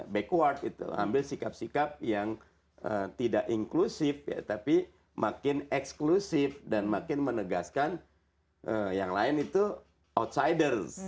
backward itu ambil sikap sikap yang tidak inklusif tapi makin eksklusif dan makin menegaskan yang lain itu outsiders